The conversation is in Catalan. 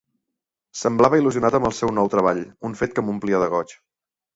Semblava il·lusionat amb el seu nou treball, un fet que m'omplia de goig.